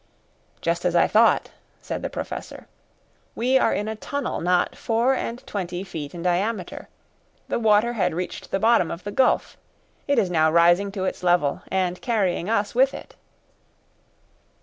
"Just as I thought," said the Professor "We are in a tunnel not four and twenty feet in diameter. The water had reached the bottom of the gulf. It is now rising to its level, and carrying us with it."